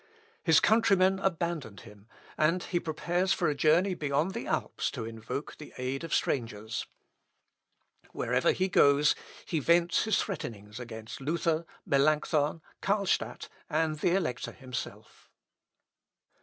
His countrymen abandon him, and he prepares for a journey beyond the Alps, to invoke the aid of strangers. Wherever he goes he vents his threatenings against Luther, Melancthon, Carlstadt, and the Elector himself.